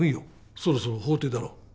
そろそろ法廷だろ？